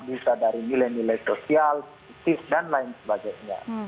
bisa dari nilai nilai sosial dan lain sebagainya